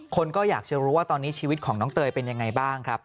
คนก็อยากจะรู้ว่าตอนนี้ชีวิตของน้องเตยเป็นยังไงบ้างครับ